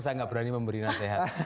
saya nggak berani memberi nasihat